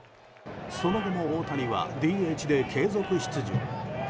その後も大谷はＤＨで継続出場。